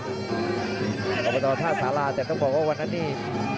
เดินไปต่อท่าสาหร่าแต่ต้องบอกว่าวันั้นนี่